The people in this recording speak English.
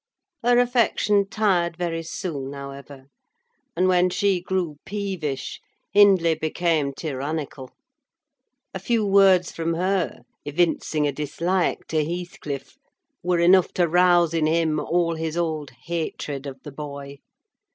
Her affection tired very soon, however, and when she grew peevish, Hindley became tyrannical. A few words from her, evincing a dislike to Heathcliff, were enough to rouse in him all his old hatred of the boy.